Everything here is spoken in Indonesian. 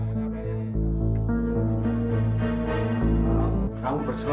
pak sepertinya itu suara pak rw pak